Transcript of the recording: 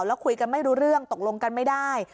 แล้วคุยกันไม่รู้เรื่องตกลงกันไม่ได้